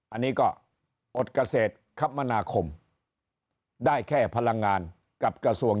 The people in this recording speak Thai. อันนี้ก็อดเกษตรคมนาคมได้แค่พลังงานกับกระทรวง